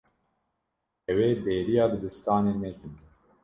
Ew ê bêriya dibistanê nekin.